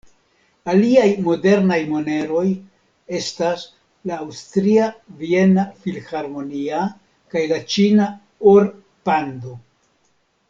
Aliaj modernaj moneroj estas la aŭstria Viena Filharmonia kaj la ĉina Or-Pando.